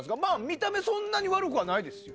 見た目はそんなに悪くはないですよ？